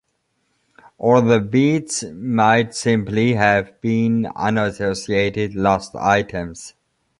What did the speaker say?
Or the beads might simply have been unassociated lost items.